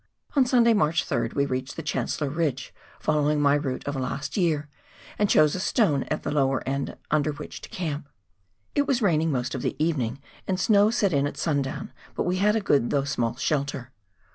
On Sunday, March 3rd, we reached the Chancellor Ridge, following my route of last year, and chose a stone at the lower end under which to camp. It was raining most of the T 274 PIONEER WORK IN THE ALPS OF NEW ZEALAND. evening and snow set in at sundown, but we had a good though small shelter.